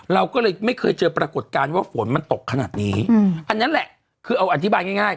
เราก็เลยไม่เคยเจอปรากฏการณ์ว่าฝนมันตกขนาดนี้อันนั้นแหละคือเอาอธิบายง่าย